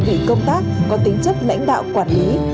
ủy công tác có tính chất lãnh đạo quản lý